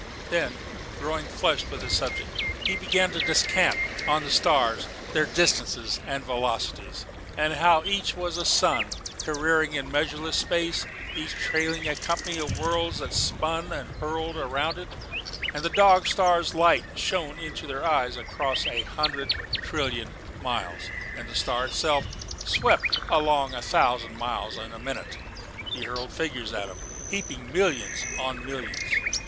Then, growing flushed with his subject, he began to descant on these stars, their distances and velocities; how that each was a sun, careering in measureless space, each trailing a company of worlds that spun and hurtled round it; that the Dog star's light shone into their eyes across a hundred trillion miles; that the star itself swept along a thousand miles in a minute. He hurled figures at them, heaping millions on millions.